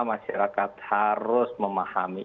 masyarakat harus memahami